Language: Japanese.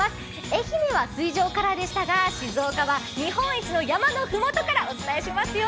愛媛は水上からでしたが、静岡は日本一の山の麓からお伝えしますよ。